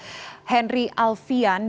yaitu marsdia henry alfian